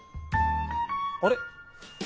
あれ？